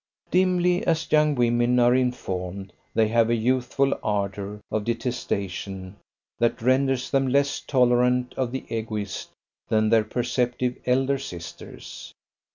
Dimly as young women are informed, they have a youthful ardour of detestation that renders them less tolerant of the Egoist than their perceptive elder sisters.